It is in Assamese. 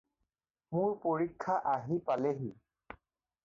মোৰ পৰিক্ষা আহি পালেহি।